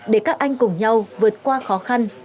để các anh cùng nhau vượt qua khó khăn